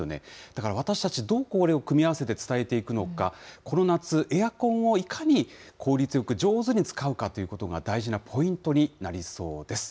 だから私たち、どうこれを組み合わせて伝えていくのか、この夏、エアコンをいかに効率よく上手に使うかということが大事なポイントになりそうです。